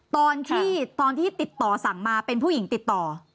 ตอนที่ตอนที่ติดต่อสั่งมาเป็นผู้หญิงติดต่อ